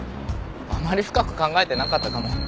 あまり深く考えてなかったかも。